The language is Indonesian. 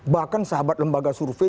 bahkan sahabat lembaga survei